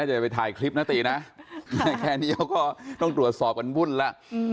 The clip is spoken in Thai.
อย่าไปถ่ายคลิปนะตีนะแค่นี้เขาก็ต้องตรวจสอบกันวุ่นแล้ว